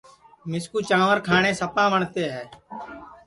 مِسکُو چانٚور کھاٹؔے سپا وٹؔتے ہے